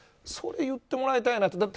それを言ってもらいたいなと。